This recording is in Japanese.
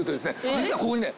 実はここにね。